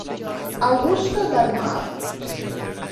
Augusto d'Halmar